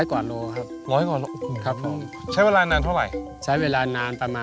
ร้อยกว่าโลกรัมครับ